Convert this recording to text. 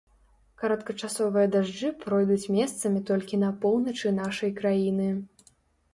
Кароткачасовыя дажджы пройдуць месцамі толькі на поўначы нашай краіны.